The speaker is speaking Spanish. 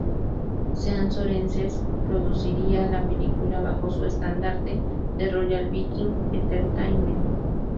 Sean Sorensen produciría la película bajo su estandarte de Royal Viking Entertainment.